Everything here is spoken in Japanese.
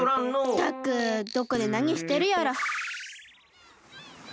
ったくどこでなにしてるやら。